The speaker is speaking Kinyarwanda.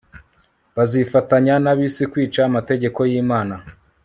bazifatanya nabisi kwica amategeko yImana